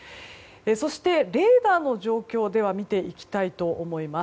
そして、レーダーの状況を見ていきたいと思います。